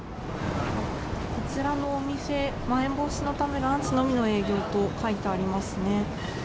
こちらのお店、まん延防止のため、ランチのみの営業と書いてありますね。